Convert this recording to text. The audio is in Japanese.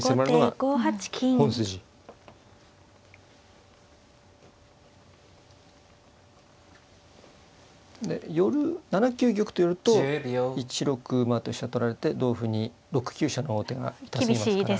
後手５八金。で寄る７九玉と寄ると１六馬と飛車取られて同歩に６九飛車の王手が痛すぎますから。